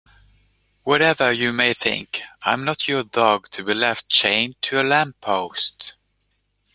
Whatever you may think I'm not your dog to be left chained to a lamppost.